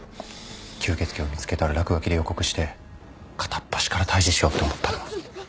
吸血鬼を見つけたら落書きで予告して片っ端から退治しようと思ったのは。